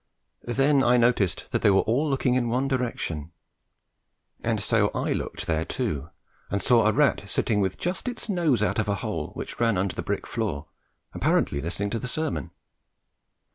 Then I noticed that they were all looking in one direction, and so I looked there too and saw a rat sitting with just its nose out of a hole which ran under the brick floor, apparently listening to the sermon.